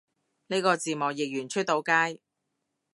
呢個字幕譯完出到街？